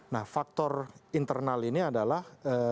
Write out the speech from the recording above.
nah faktor internal ini adalah